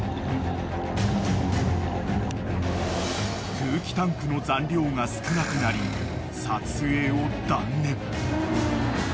［空気タンクの残量が少なくなり撮影を断念］